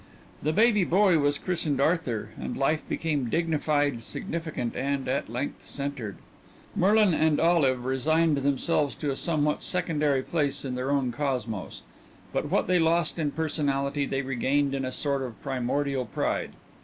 The baby boy was christened Arthur, and life became dignified, significant, and, at length, centered. Merlin and Olive resigned themselves to a somewhat secondary place in their own cosmos; but what they lost in personality they regained in a sort of primordial pride.